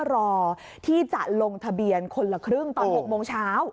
รอที่จะลงทะเบียนคนละครึ่งตอน๖โมงเช้า